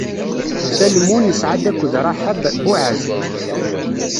Salmun isɛa-d akked Raḥab Buɛaz.